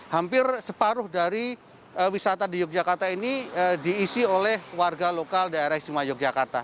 hampir separuh dari wisata di yogyakarta ini diisi oleh warga lokal daerah istimewa yogyakarta